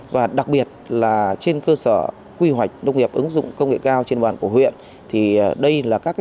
và đặc biệt là trên cơ sở quy hoạch nông nghiệp ứng dụng công nghệ cao trên bàn của huyện thì đây là các doanh nghiệp làm lõi làm hạt hạt